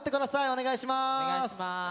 お願いします。